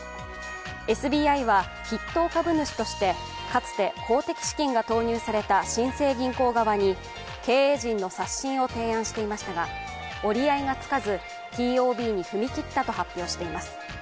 ＳＢＩは筆頭株主として、かつて公的資金が投入された新生銀行側に経営陣の刷新を提案していましたが折り合いがつかず、ＴＯＢに踏み切ったと発表しています。